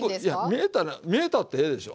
見えたってええでしょ。